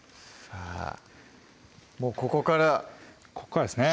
もうここからここからですね